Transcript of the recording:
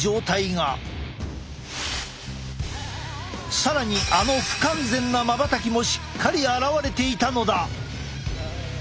更にあの不完全なまばたきもしっかり現れていたのだ。